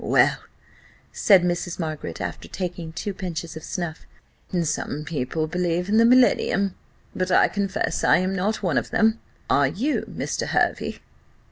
Well," said Mrs. Margaret, after taking two pinches of snuff, "some people believe in the millennium; but I confess I am not one of them are you, Mr. Hervey?"